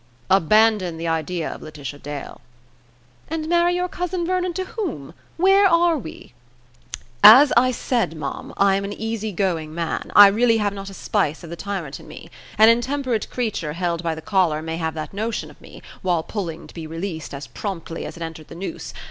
"Abandon the idea of Laetitia Dale." "And marry your cousin Vernon to whom? Where are we?" "As I said, ma'am, I am an easy going man. I really have not a spice of the tyrant in me. An intemperate creature held by the collar may have that notion of me, while pulling to be released as promptly as it entered the noose.